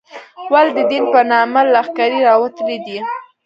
ولې د دین په نامه لښکرې راوتلې دي.